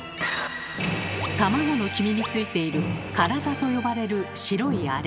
卵の黄身についている「カラザ」と呼ばれる白いアレ。